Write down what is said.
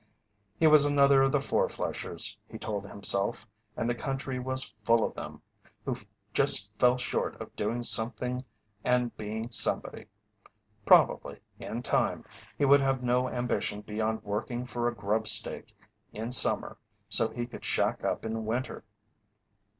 He was another of the "four flushers," he told himself, and the country was full of them, who just fell short of doing something and being somebody. Probably, in time, he would have no ambition beyond working for a "grub stake" in summer so he could "shack up" in winter.